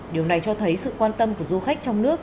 điều này cho thấy sự quan tâm của du khách trong nước